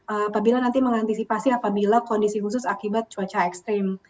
apabila nanti mengantisipasi apabila kondisi khusus akibat cuaca ekstrim